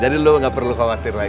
jadi lu gak perlu khawatir lagi